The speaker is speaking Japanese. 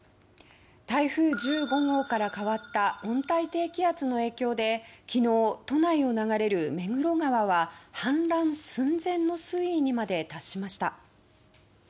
台風１５号から変わった温帯低気圧の影響で昨日、都内を流れる目黒川は氾濫寸前の水位にまで達しました。